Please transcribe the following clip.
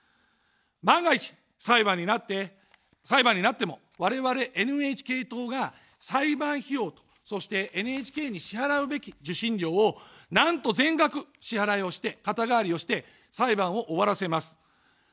万が一、裁判になっても我々ＮＨＫ党が裁判費用と、そして、ＮＨＫに支払うべき受信料を、なんと全額支払いをして、肩代わりをして裁判を終わらせます。